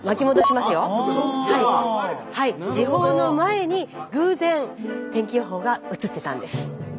はい時報の前に偶然天気予報がうつってたんです。